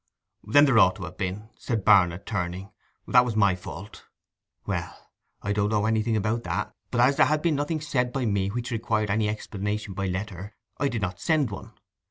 'Then there ought to have been,' said Barnet, turning. 'That was my fault!' 'Well, I don't know anything about that; but as there had been nothing said by me which required any explanation by letter, I did not send one.